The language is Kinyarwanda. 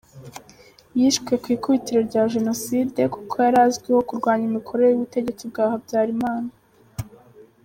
Yishwe ku ikubitiro rya Jenoside kuko yari azwiho kurwanya imikorere y’ubutegetsi bwa Habyarimana.